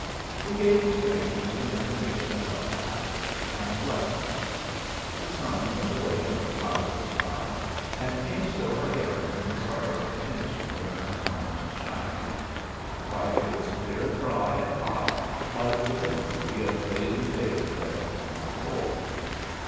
We gave the strangers some information about the town, and left them. The sun went away in a cloudless sky, and came so again when the stars had finished their untarnished shining. Friday was clear and dry and hot, like the dynasty of blazing days that had gone before.